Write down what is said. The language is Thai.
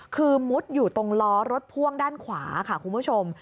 คือมุดอยู่ตรงล้อรถพ่วงด้านขวาค่ะคุณผู้ชม